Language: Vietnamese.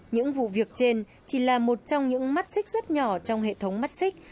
những vụ việc trên chỉ là một trong những mắt xích rất nhỏ trong hệ thống mắt xích